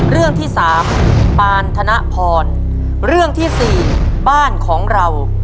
เรื่องที่สามปานธนพรเรื่องที่สี่บ้านของเรา